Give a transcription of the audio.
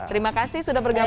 terima kasih sudah bergabung